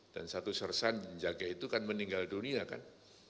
dan satu sersan jenjaga itu kan meninggal dunia kan